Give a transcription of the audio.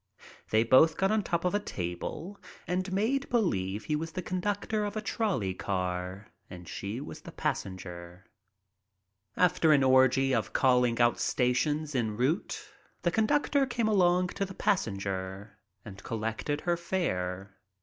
They both got on top of a table and made believe he was the conductor of a trolley car and she was a passenger. After an orgy of calling out stations en route the conductor came along to the passenger and collected her fare.